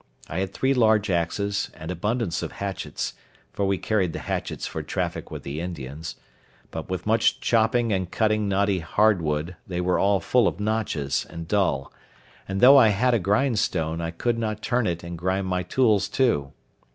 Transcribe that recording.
I had three large axes, and abundance of hatchets (for we carried the hatchets for traffic with the Indians); but with much chopping and cutting knotty hard wood, they were all full of notches, and dull; and though I had a grindstone, I could not turn it and grind my tools too.